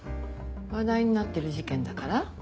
話題になってる事件だから？